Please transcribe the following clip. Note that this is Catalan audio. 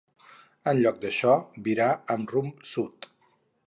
En lloc d'això, virà amb rumb sud.